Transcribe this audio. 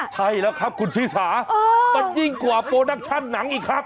ใช่แล้วครับคุณชิสามันยิ่งกว่าโปรดักชั่นหนังอีกครับ